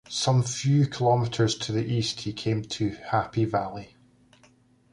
Some few kilometres to the east he came to Happy Valley.